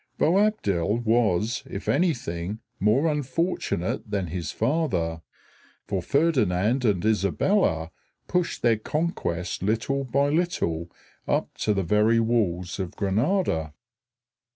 Boabdil was if anything more unfortunate than his father; for Ferdinand and Isabella pushed their conquest little by little up to the very walls of Granada.